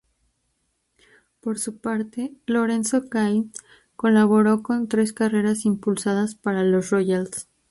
Por su parte, Lorenzo Cain colaboró con tres carreras impulsadas para los Royals.